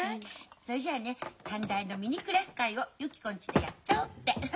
そいじゃあね短大のミニクラス会をゆき子んちでやっちゃおうって。